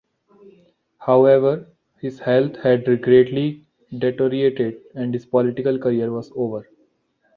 However, his health had greatly deteriorated and his political career was over.